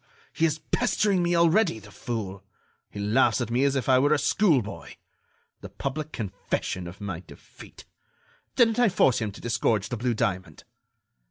he is pestering me already, the fool! He laughs at me as if I were a schoolboy! The public confession of my defeat! Didn't I force him to disgorge the blue diamond?"